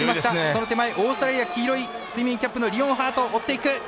その手前、オーストラリア黄色いスイミングキャップのリオンハート追っていく。